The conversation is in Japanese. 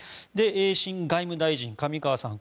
新外務大臣の上川さん